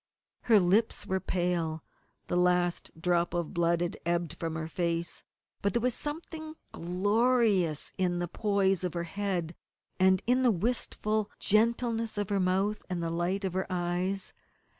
Her lips were pale; the last drop of blood had ebbed from her face; but there was something glorious in the poise of her head, and in the wistful gentleness of her mouth and the light in her eyes.